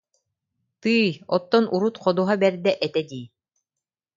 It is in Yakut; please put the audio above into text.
Тыый, оттон урут ходуһа бэрдэ этэ дии